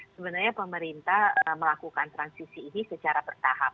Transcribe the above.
sebenarnya pemerintah melakukan transisi ini secara bertahap